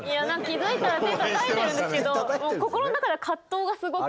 気付いたら手たたいてるんですけど心の中では葛藤がすごくて。